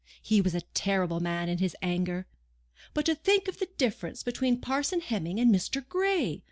He was a terrible man in his anger! But to think of the difference between Parson Hemming and Mr. Gray!